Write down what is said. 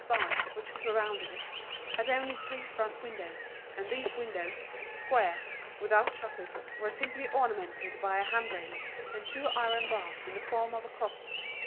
style which surrounded it, had only three front windows, and these windows, square, without shutters, were simply ornamented by a handrail and two iron bars in the form of a cross.